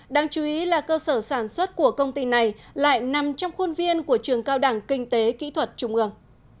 đáng chú ý là cơ sở sản xuất của công ty này lại nằm trong khuôn viên của trường cao đẳng kinh tế kỹ thuật trung ương